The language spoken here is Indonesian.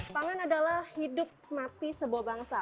pangan adalah hidup mati sebuah bangsa